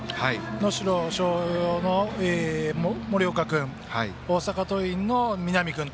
能代松陽の森岡君大阪桐蔭の南君。